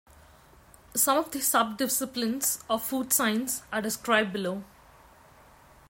Some of the subdisciplines of food science are described below.